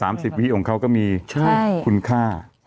๓๐วิคีย์ของเขาก็มีคุณค่า